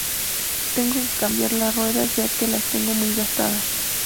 Tengo que cambiar las ruedas ya porque las tengo muy gastadas.